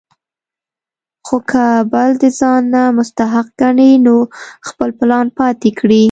خو کۀ بل د ځان نه مستحق ګڼي نو خپل پلان پاتې کړي ـ